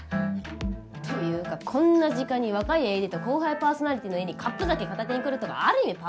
っていうかこんな時間に若いＡＤと後輩パーソナリティーの家にカップ酒片手に来るとかある意味パワハラですよ？